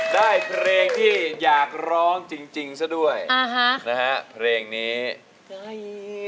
ได้เพลงที่อยากร้องจริงซะด้วยนะฮะเพลงนี้ใจ